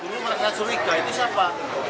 guru melakukan sholat itu siapa